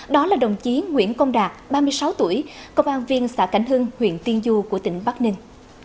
đó là đồng chí nguyễn công đạt ba mươi sáu tuổi công an viên xã cảnh hưng huyện tiên du của tỉnh bắc ninh